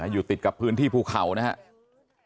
อยู่ติดกับพื้นที่ภูเขานะครับ